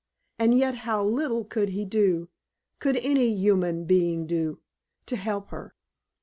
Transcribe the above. And yet how little could he do could any human being do to help her!